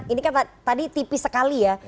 ini kan tadi tipis sekali ya